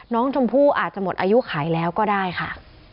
น้องชมพู่อาจจะหมดอายุขายแล้วก็ได้ค่ะ